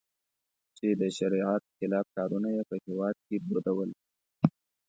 چې د شریعت خلاف کارونه یې په هېواد کې دودول.